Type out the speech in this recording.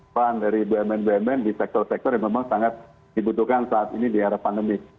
peran dari bumn bumn di sektor sektor yang memang sangat dibutuhkan saat ini di era pandemi